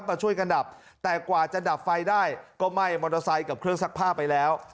มาช่วยกันดับแต่กว่าจะดับไฟได้ก็ไหม้มอเตอร์ไซค์กับเครื่องซักผ้าไปแล้ว